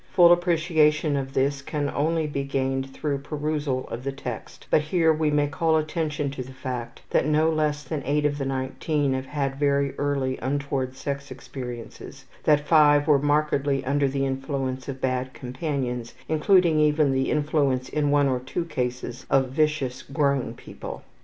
Full appreciation of this can only be gained through perusal of the text, but here we may call attention to the fact that no less than 8 of the 19 have had very early untoward sex experiences, that 5 were markedly under the influence of bad companions, including even the influence in one or two cases of vicious grown people.